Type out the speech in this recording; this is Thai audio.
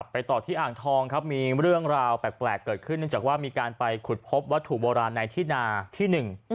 ต่อที่อ่างทองครับมีเรื่องราวแปลกเกิดขึ้นเนื่องจากว่ามีการไปขุดพบวัตถุโบราณในที่นาที่หนึ่ง